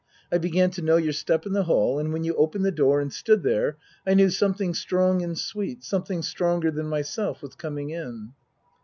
I began to know your step in the hall, and when you opened the door and stood there I knew something strong and sweet, something stronger than myself was com ing in.